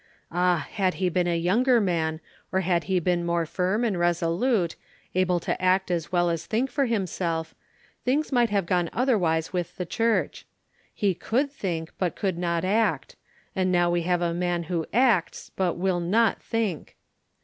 Ah! had he been a younger man, or had he been more firm and resolute, able to act as well as think for himself, things might have gone otherwise with the Church. He could think, but could not act; and now we have a man who acts, but will not think.